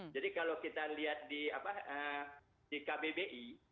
jadi kalau kita lihat di kbbi